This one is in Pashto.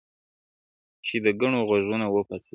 چي د کڼو غوږونه وپاڅوي-